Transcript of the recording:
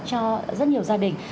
cho rất nhiều gia đình